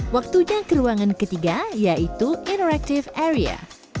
waktunya ke ruangan ketiga yaitu interactive area